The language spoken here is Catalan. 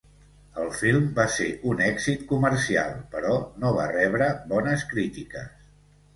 El film va ser un èxit comercial, però no va rebre bones crítiques.